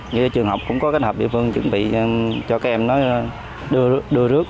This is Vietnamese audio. như trường học cũng có kết hợp địa phương chuẩn bị cho các em nó đưa rước